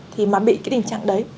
thì mà bị cái tình trạng đấy